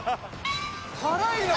辛いな。